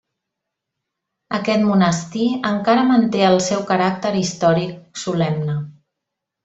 Aquest monestir encara manté el seu caràcter històric solemne.